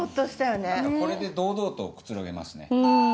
これで堂々とくつろげますね。